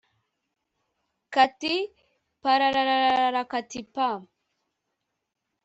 Kati pararararara kati pa !